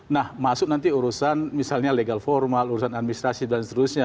nah masuk nanti urusan misalnya legal formal urusan administrasi dan seterusnya